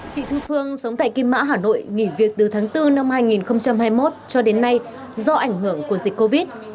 chị thư phương sống tại kim mã hà nội nghỉ việc từ tháng bốn năm hai nghìn hai mươi một cho đến nay do ảnh hưởng của dịch covid